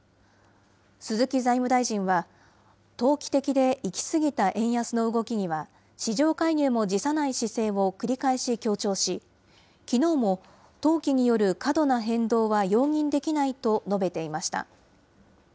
鈴木財務大臣は、投機的で行き過ぎた円安の動きには、市場介入も辞さない姿勢を繰り返し強調し、きのうも投機による過度な変動は容認できないと述べていました。